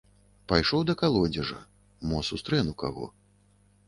Пайшоў да калодзежа, мо сустрэну каго.